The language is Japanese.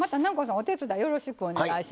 お手伝いよろしくお願いします。